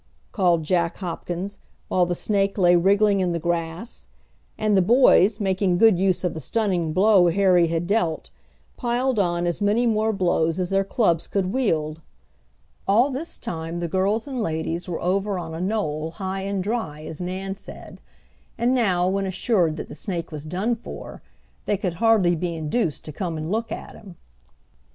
called Jack Hopkins, while the snake lay wriggling in the grass; and the boys, making good use of the stunning blow Harry had dealt, piled on as many more blows as their clubs could wield. All this time the girls and ladies were over on a knoll "high and dry," as Nan said, and now, when assured that the snake was done for they could hardly be induced to come and look at him.